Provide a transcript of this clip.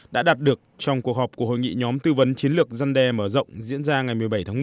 đã đạt được trong cuộc họp của hội nghị nhóm tư vấn chiến lược răn đe mở rộng diễn ra ngày một mươi bảy tháng một